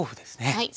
はい。